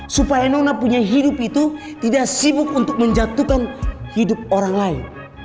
supaya nona punya hidup itu tidak sibuk untuk menjatuhkan hidup orang lain